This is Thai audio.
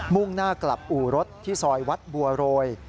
่งหน้ากลับอู่รถที่ซอยวัดบัวโรย